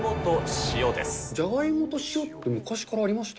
じゃがいもと塩って、昔からありました？